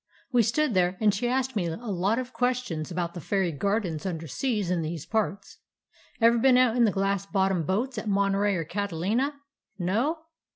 We stood there, and she asked me a lot of ques tions about the faiiy gardens under seas in these parts. Ever been out in the glass bot tomed boats at Monterey or Catalina? No?